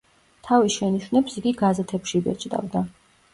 თავის შენიშვნებს იგი გაზეთებში ბეჭდავდა.